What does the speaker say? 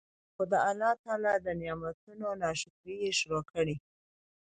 خو د الله تعالی د نعمتونو نا شکري ئي شروع کړه